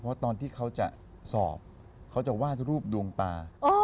เพราะตอนที่เขาจะสอบเขาจะวาดรูปดวงตา